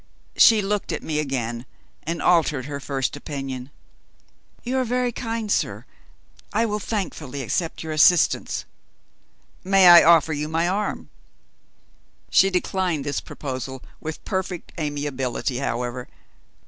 She looked at me again, and altered her first opinion. "You are very kind, sir; I will thankfully accept your assistance." "May I offer you my arm?" She declined this proposal with perfect amiability, however.